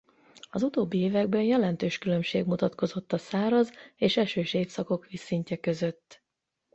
Az utóbbi években jelentős különbség mutatkozott a száraz és esős évszakok vízszintje között.